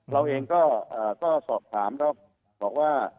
เราเองก็สอบถามแล้วบอกว่า